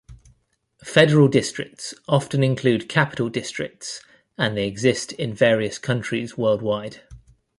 Federal districts often include capital districts, and they exist in various countries worldwide.